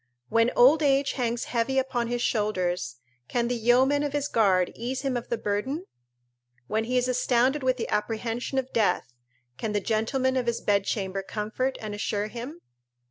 When old age hangs heavy upon his shoulders, can the yeomen of his guard ease him of the burden? When he is astounded with the apprehension of death, can the gentlemen of his bedchamber comfort and assure him?